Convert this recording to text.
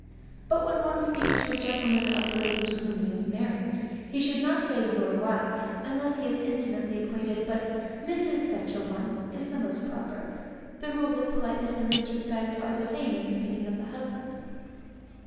But when one speaks to a gentleman of the lady to whom he is married, he should not say your wife, unless he is intimately acquainted, but Mrs. such a one, is the most proper. The rules of politeness in this respect, are the same in speaking of the husband.